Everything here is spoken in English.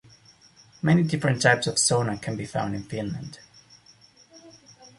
Many different types of sauna can be found in Finland.